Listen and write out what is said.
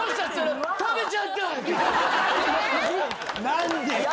何で？